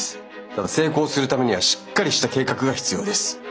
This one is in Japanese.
ただ成功するためにはしっかりした計画が必要です。